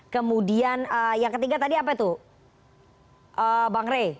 kemudian yang ketiga tadi apa itu bang rey